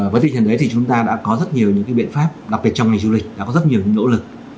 với định hình đấy thì chúng ta đã có rất nhiều những biện pháp đặc biệt trong ngày du lịch đã có rất nhiều những nỗ lực